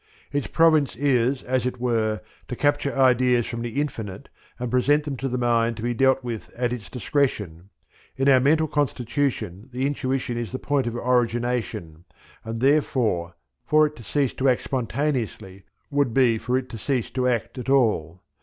Its province is, as it were, to capture ideas from the infinite and present them to the mind to be dealt with at its discretion. In our mental constitution the intuition is the point of origination and, therefore, for it to cease to act spontaneously would be for it to cease to act at all.